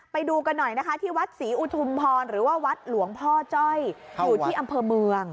ไปดูกันหน่อยนะคะที่วัดศรีอุทุมพรหรือว่าวัดหลวงพ่อจ้อยอยู่ที่อำเภอเมือง